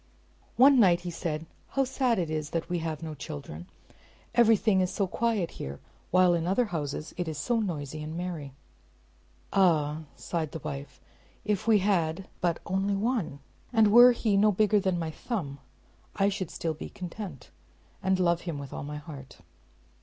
One night he said, "How sad it is that we have no children; everything is so quiet here, while in other houses it is so noisy and merry." "Ah!" sighed his wife, "if we had but only one, and were he no bigger than my thumb, I should still be content, and love him with all my heart."